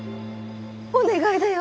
お願いだよ